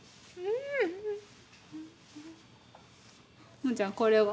ももちゃんこれは？